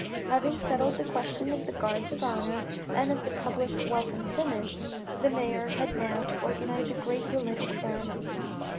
Having settled the questions of the guards of honour, and of the public welcome finished, the mayor had now to organise a great religious ceremony.